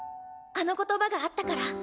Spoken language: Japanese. あの言葉があったから